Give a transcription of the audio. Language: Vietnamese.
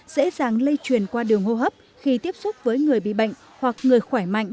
dễ dàng lây truyền qua đường hô hấp khi tiếp xúc với người bị bệnh hoặc người khỏe mạnh